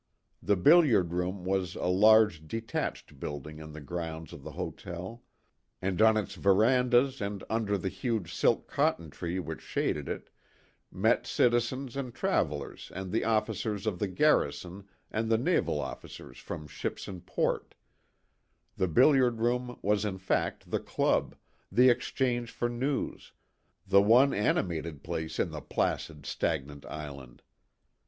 The billiard room was a large detached building in the grounds of the hotel, and on its verandas and under the huge silk cotton tree which shaded it, met citizens and travelers and the officers of the garrison and the naval officers from ships in port the bil liard room was in fact the club, the exchange for news, the one animated place in the placid, stagnant island.